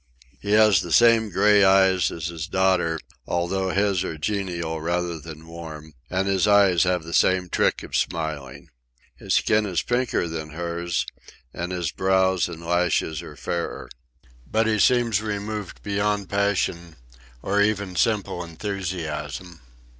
He has the same gray eyes as his daughter, although his are genial rather than warm; and his eyes have the same trick of smiling. His skin is pinker than hers, and his brows and lashes are fairer. But he seems removed beyond passion, or even simple enthusiasm.